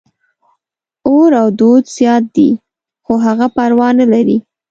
اور او دود زیات دي، خو هغه پروا نه لري.